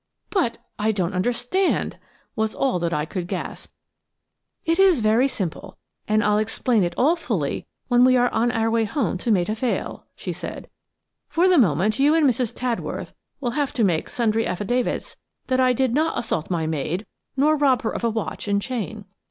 "But–I don't understand," was all that I could gasp. "It is very simple, and I'll explain it all fully when we are on our way home to Maida Vale," she said. "For the moment you and Mrs. Tadworth will have to make sundry affidavits that I did not assault my maid nor rob her of a watch and chain.